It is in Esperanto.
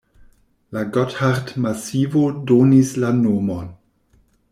La Gothard-masivo donis la nomon.